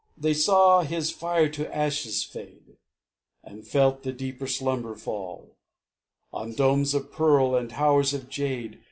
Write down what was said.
They saw his fire to ashes fade, And felt the deeper slumber fall On domes of pearl and towers of jade.